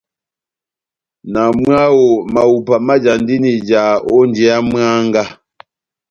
Na mwáho, mahupa majandini ija ó njeya mwángá.